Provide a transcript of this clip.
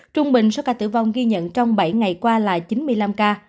trung bình số ca tử vong ghi nhận trong bảy ngày qua là chín mươi năm ca